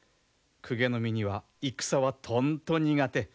公家の身には戦はとんと苦手。